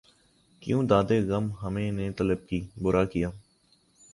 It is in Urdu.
کیوں دادِ غم ہمیں نے طلب کی، بُرا کیا